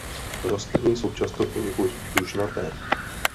Rostliny jsou často poněkud dužnaté.